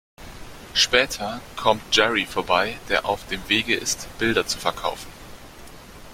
Später kommt Jerry vorbei, der auf dem Wege ist, Bilder zu verkaufen.